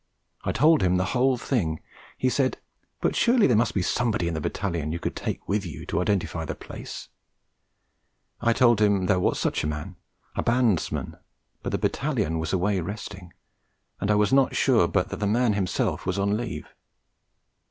I told him the whole thing. He said: 'But surely there must be somebody in the Battalion that you could take with you, to identify the place?' I told him there was such a man, a bandsman, but the Battalion was away resting and I was not sure but that the man himself was on leave.